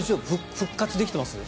復活できています？